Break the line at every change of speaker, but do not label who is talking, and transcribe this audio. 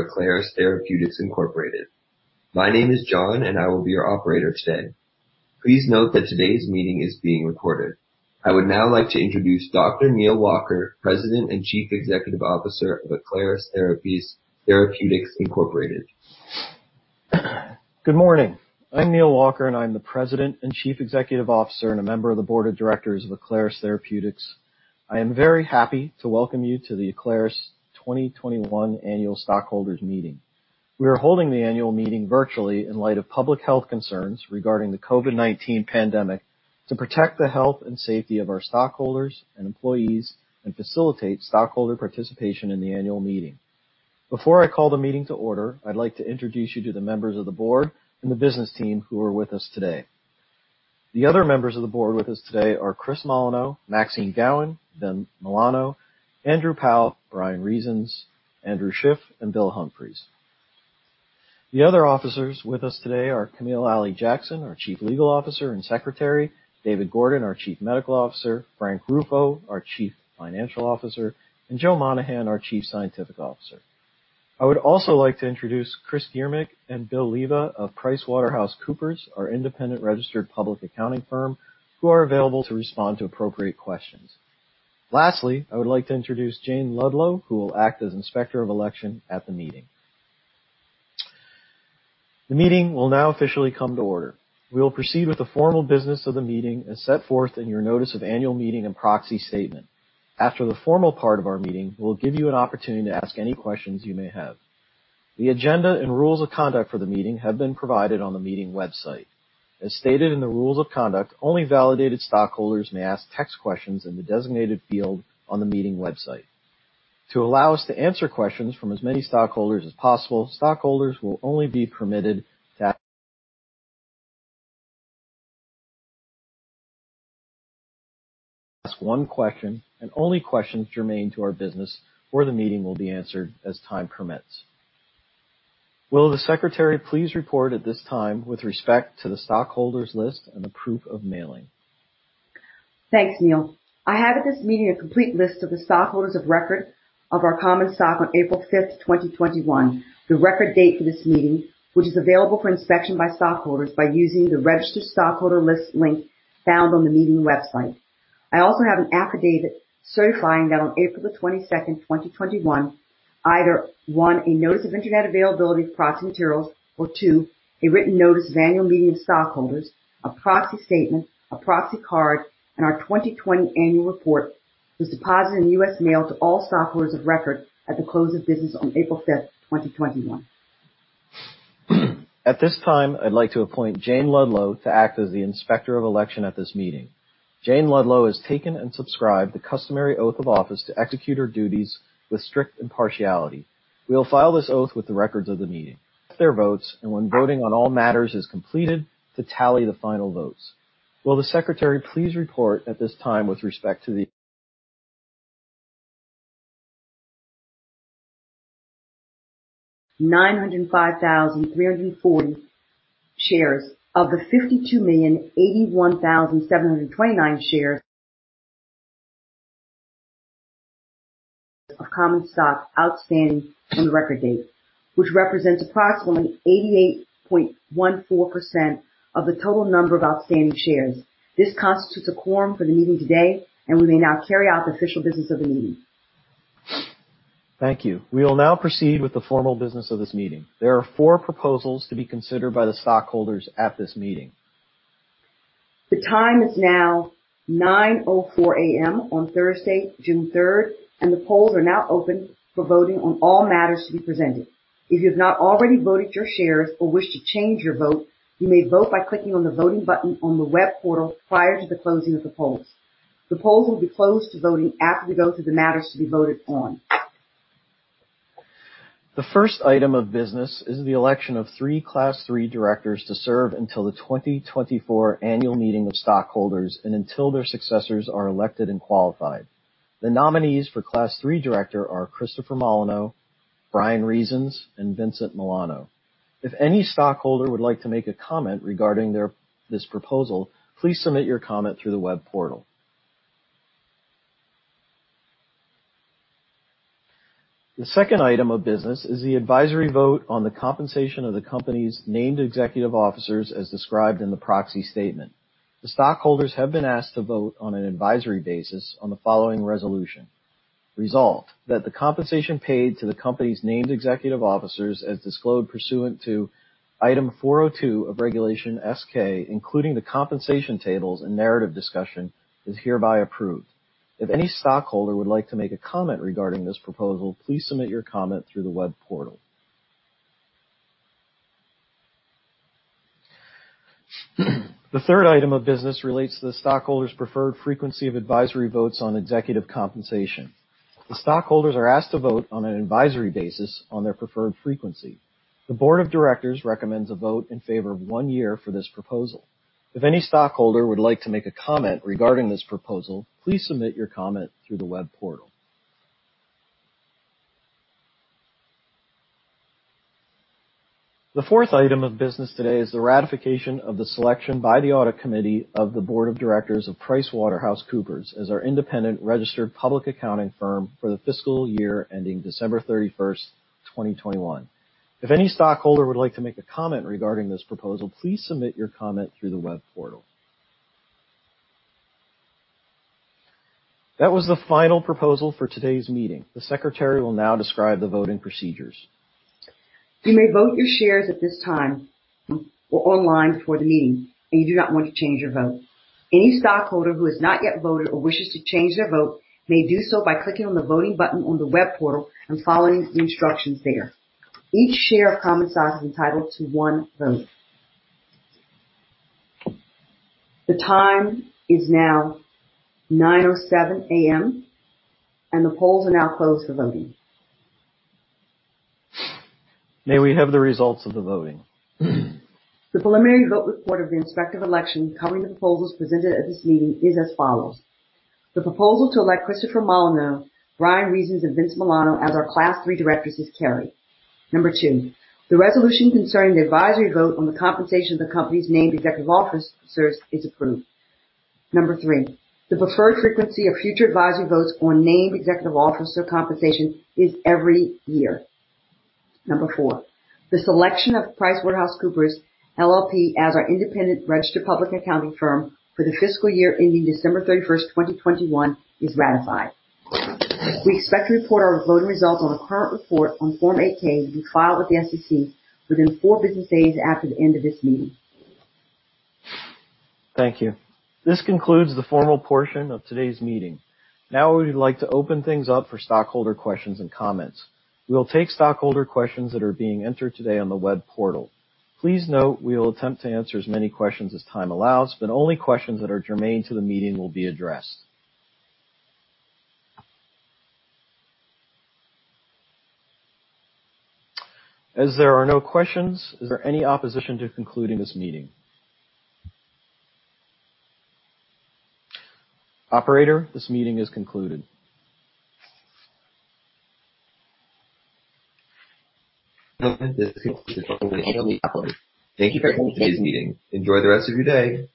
Aclaris Therapeutics, Inc. My name is John, and I will be your operator today. Please note that today's meeting is being recorded. I would now like to introduce Dr. Neal Walker, President and Chief Executive Officer of Aclaris Therapeutics, Inc.
Good morning. I'm Neal Walker, and I'm the President and Chief Executive Officer and a member of the Board of Directors of Aclaris Therapeutics. I am very happy to welcome you to the Aclaris 2021 Annual Stockholders Meeting. We are holding the annual meeting virtually in light of public health concerns regarding the COVID-19 pandemic to protect the health and safety of our stockholders and employees and facilitate stockholder participation in the annual meeting. Before I call the meeting to order, I'd like to introduce you to the members of the board and the business team who are with us today. The other members of the board with us today are Chris Molineaux, Maxine Gowen, Vin Milano, Andrew Powell, Bryan Reasons, Andrew Schiff, and William Humphries. The other officers with us today are Kamil Ali-Jackson, our Chief Legal Officer and Secretary, David Gordon, our Chief Medical Officer, Frank Ruffo, our Chief Financial Officer, and Joe Monahan, our Chief Scientific Officer. I would also like to introduce Chris Giermyk and Bill Leiba of PricewaterhouseCoopers, our independent registered public accounting firm, who are available to respond to appropriate questions. Lastly, I would like to introduce Jane Ludlow, who will act as Inspector of Election at the meeting. The meeting will now officially come to order. We will proceed with the formal business of the meeting as set forth in your notice of annual meeting and proxy statement. After the formal part of our meeting, we'll give you an opportunity to ask any questions you may have. The agenda and rules of conduct for the meeting have been provided on the meeting website. As stated in the rules of conduct, only validated stockholders may ask text questions in the designated field on the meeting website. To allow us to answer questions from as many stockholders as possible, stockholders will only be permitted to ask one question and only questions germane to our business for the meeting will be answered as time permits. Will the secretary please report at this time with respect to the stockholders list and the proof of mailing?
Thanks, Neal. I have at this meeting a complete list of the stockholders of record of our common stock on April 5th, 2021, the record date for this meeting, which is available for inspection by stockholders by using the registered stockholder list link found on the meeting website. I also have an affidavit certifying that on April 22nd, 2021, either, one, a notice of internet availability of proxy materials or, two, a written notice of annual meeting of stockholders, a proxy statement, a proxy card, and our 2020 annual report was deposited in U.S. mail to all stockholders of record at the close of business on April 5th, 2021.
At this time, I'd like to appoint Jane Ludlow to act as the Inspector of Election at this meeting. Jane Ludlow has taken and subscribed the customary oath of office to execute her duties with strict impartiality. We will file this oath with the records of the meeting. Their votes, and when voting on all matters is completed, to tally the final votes. Will the secretary please report at this time with respect to the.
45,905,340 shares of the 52,081,729 shares of common stock outstanding through record date, which represents approximately 88.14% of the total number of outstanding shares. This constitutes a quorum for the meeting today, and we may now carry out the official business of the meeting.
Thank you. We will now proceed with the formal business of this meeting. There are four proposals to be considered by the stockholders at this meeting.
The time is now 9:04 A.M. on Thursday, June 3rd, and the polls are now open for voting on all matters to be presented. If you have not already voted your shares or wish to change your vote, you may vote by clicking on the voting button on the web portal prior to the closing of the polls. The polls will be closed to voting after we go through the matters to be voted on.
The first item of business is the election of three Class III directors to serve until the 2024 annual meeting of stockholders and until their successors are elected and qualified. The nominees for Class III director are Christopher Molineaux, Bryan Reasons, and Vincent Milano. If any stockholder would like to make a comment regarding this proposal, please submit your comment through the web portal. The second item of business is the advisory vote on the compensation of the company's named executive officers as described in the proxy statement. The stockholders have been asked to vote on an advisory basis on the following resolution. Resolved, that the compensation paid to the company's named executive officers as disclosed pursuant to Item 402 of Regulation S-K, including the compensation tables and narrative discussion, is hereby approved. If any stockholder would like to make a comment regarding this proposal, please submit your comment through the web portal. The third item of business relates to the stockholders' preferred frequency of advisory votes on executive compensation. The stockholders are asked to vote on an advisory basis on their preferred frequency. The board of directors recommends a vote in favor of one year for this proposal. If any stockholder would like to make a comment regarding this proposal, please submit your comment through the web portal. The fourth item of business today is the ratification of the selection by the Audit Committee of the board of directors of PricewaterhouseCoopers as our independent registered public accounting firm for the fiscal year ending December 31, 2021. If any stockholder would like to make a comment regarding this proposal, please submit your comment through the web portal. That was the final proposal for today's meeting. The secretary will now describe the voting procedures.
You may vote your shares at this time or online for the meeting, and you do not want to change your vote. Any stockholder who has not yet voted or wishes to change their vote may do so by clicking on the voting button on the web portal and following the instructions there. Each share of common stock is entitled to one vote. The time is now 9:07 A.M., and the polls are now closed for voting.
May we have the results of the voting?
The preliminary vote report of the respective election covering the proposals presented at this meeting is as follows. The proposal to elect Christopher Molineaux, Bryan Reasons, and Vince Milano as our Class III directors is carried. Number two, the resolution concerning the advisory vote on the compensation of the company's named executive officers is approved. Number three, the preferred frequency of future advisory votes on named executive officer compensation is every year. Number four, the selection of PricewaterhouseCoopers LLP as our independent registered public accounting firm for the fiscal year ending December 31st, 2021 is ratified. We expect to report our voting results on a current report on Form 8-K to be filed with the SEC within four business days after the end of this meeting.
Thank you. This concludes the formal portion of today's meeting. Now, we would like to open things up for stockholder questions and comments. We will take stockholder questions that are being entered today on the web portal. Please note we will attempt to answer as many questions as time allows, but only questions that are germane to the meeting will be addressed. As there are no questions, is there any opposition to concluding this meeting? Operator, this meeting is concluded.
Note that this concludes the virtual AGM of Aclaris. Thank you for attending today's meeting. Enjoy the rest of your day.